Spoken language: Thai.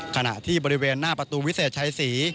ขณะที่บริเวณหน้าประตูวิเศษชัยศรี